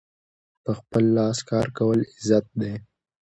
په خپل لاس کار کول عزت دی.